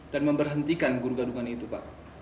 dan memberhentikan guru gadungan itu pak